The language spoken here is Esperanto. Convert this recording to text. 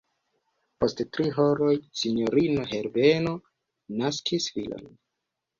Post tri horoj, sinjorino Herbeno naskis filon.